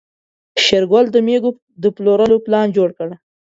شېرګل د مېږو د پلورلو پلان جوړ کړ.